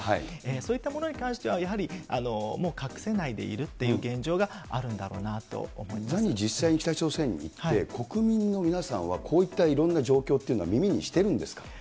そういったものに関しては、やはりもう隠せないでいるっていう現状があるんだろうなと思いまザニー、実際に北朝鮮に行って、国民の皆さんは、こういったいろんな状況っていうのは耳にしてるんですか。